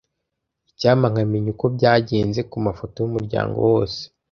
Icyampa nkamenya uko byagenze kumafoto yumuryango wose.